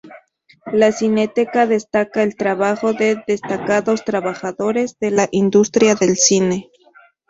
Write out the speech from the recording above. La Cineteca destaca el trabajo de destacados trabajadores de la industria del cine.